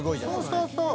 そうそうそう。